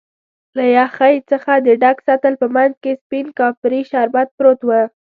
له یخی څخه د ډک سطل په مینځ کې سپین کاپري شربت پروت و.